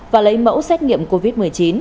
và lấy mẫu xét nghiệm covid một mươi chín